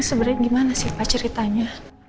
sebenarnya gimana sih pak ceritanya